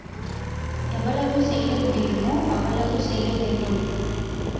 எவ்வளவு செய்ய முடியுமோ அவ்வளவு செய்ய வேண்டும்.